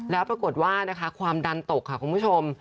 แล้วปรากฏว่านะคะความดันตกค่ะคุณผู้ชม